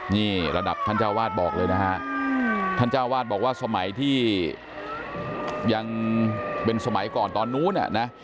นี่ระดับท่านเจ้าวาดบอกเลยนะฮะท่านเจ้าวาดบอกว่าสมัยที่ยังเป็นสมัยก่อนตอนนู้นอ่ะนะ